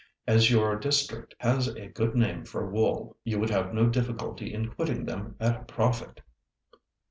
As your district has a good name for wool, you would have no difficulty in quitting them at a profit."